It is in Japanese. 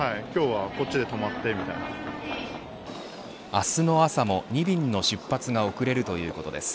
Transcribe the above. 明日の朝も２便の出発が遅れるということです。